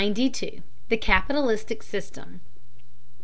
THE "CAPITALISTIC SYSTEM."